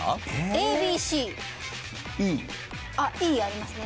ＡＢＣＥあっＥありますね